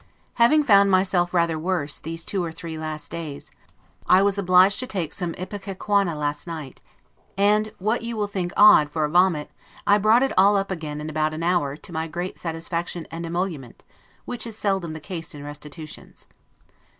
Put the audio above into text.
Having found myself rather worse, these two or three last days, I was obliged to take some ipecacuanha last night; and, what you will think odd, for a vomit, I brought it all up again in about an hour, to my great satisfaction and emolument, which is seldom the case in restitutions.